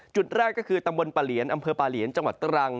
จุดแรกก็คือตำบลปะเหลียนอำเภอปลาเหลียนจังหวัดตรัง